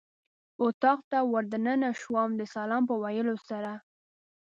اتاق ته ور دننه شوم د سلام په ویلو سره.